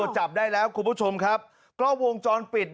อ๋อใช่อือ